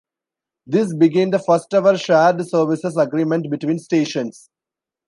This began the first ever 'shared-services' agreement between stations.